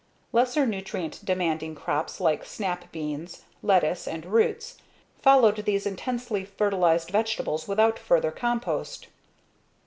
Lesser nutrient demanding crops like snap beans, lettuce, and roots followed these intensively fertilized vegetables without further compost.